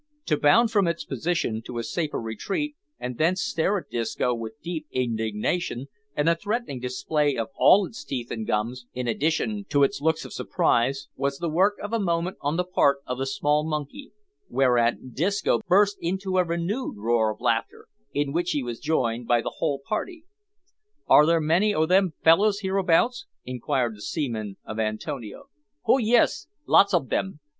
To bound from its position to a safer retreat, and thence stare at Disco with deep indignation, and a threatening display of all its teeth and gums, in addition to its looks of surprise, was the work of a moment on the part of the small monkey, whereat Disco burst into a renewed roar of laughter, in which he was joined by the whole party. "Are there many o' them fellows hereabouts?" inquired the seaman of Antonio. "Ho, yis, lots ob 'em.